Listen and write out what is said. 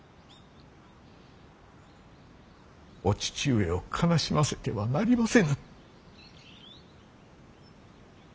お父上を悲しませてはなりませぬ。